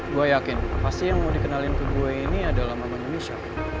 gue yakin pasti yang mau dikenalin ke gue ini adalah mama indonesia